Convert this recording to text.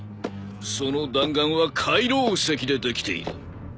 その弾丸は海楼石でできている。